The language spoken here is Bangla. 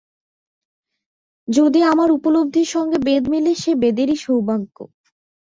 যদি আমার উপলব্ধির সঙ্গে বেদ মেলে, সে বেদেরই সৌভাগ্য।